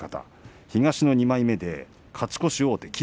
東の２枚目で、勝ち越しに王手。